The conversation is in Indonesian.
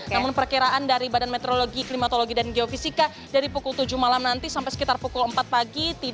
namun perkiraan dari badan meteorologi klimatologi dan geofisika dari pukul tujuh malam nanti sampai sekitar pukul empat pagi